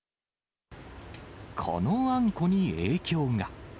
このあんこに影響が。